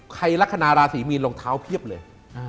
ลักษณะราศีมีนรองเท้าเพียบเลย